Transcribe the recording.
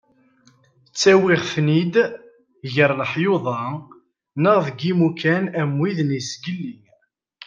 Ttawiɣ-ten-id gar leḥyuḍ-a neɣ deg yimukan am wid n yizgelli.